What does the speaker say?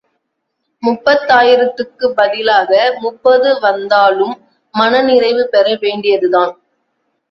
முப்பதாயிரத்துக்குப் பதிலாக முப்பது வந்தாலும் மன நிறைவு பெற வேண்டியதுதான்.